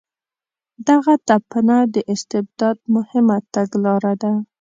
دغه تپنه د استبداد مهمه تګلاره ده.